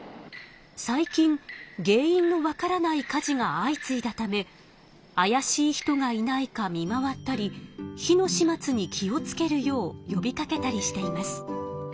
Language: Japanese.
最近原因のわからない火事が相次いだためあやしい人がいないか見回ったり火の始末に気をつけるようよびかけたりしています。